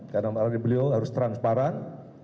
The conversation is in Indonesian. karena maklumatnya beliau harus transparan